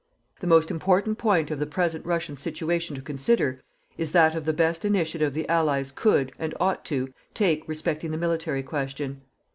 The most important point of the present Russian situation to consider is that of the best initiative the Allies could, and ought to, take respecting the military question.